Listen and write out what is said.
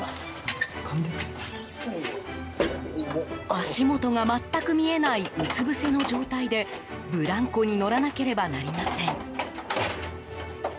足元が全く見えないうつ伏せの状態でブランコに乗らなければなりません。